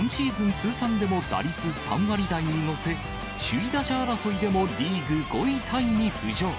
通算でも打率３割台に乗せ、首位打者争いでもリーグ５位タイに浮上。